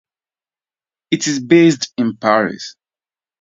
It is based in Paris.